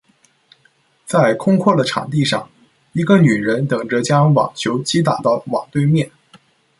在空旷的场地上，一个女人等着将网球击打到网对面。